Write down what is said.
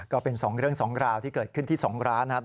ก็เป็น๒เรื่อง๒ราวที่เกิดขึ้นที่๒ร้านนะครับ